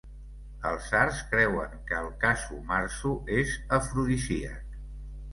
Ela sards creuen que el casu marzu és afrodisíac.